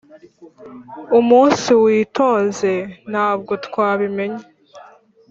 umunsi witonze, ntabwo twabimenya,